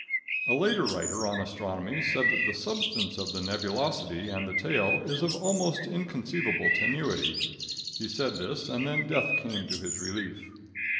A later writer on astronomy said that the substance of the nebulosity and the tail is of almost inconceivable tenuity. He said this and then death came to his relief.